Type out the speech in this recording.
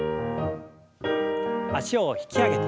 脚を引き上げて。